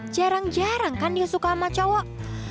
jarang jarang kan dia suka sama cowok